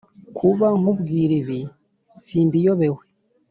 kuba nkubwira ibi simbiyobewe